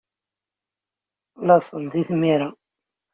Laṣel di tmira.